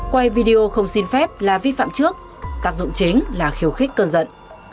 quay video không xin phép là vi phạm trước tác dụng chính là khiêu khích cơn giận